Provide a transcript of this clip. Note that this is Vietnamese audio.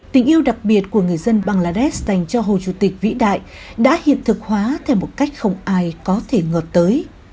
tình yêu đặc biệt của người dân bangladesh dành cho hồ chí minh vĩ đại đã hiện thực hóa theo một cách không ai có thể ngờ tới